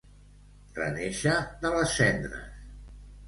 Renéixer de les cendres.